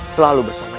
selalu bersama kita rai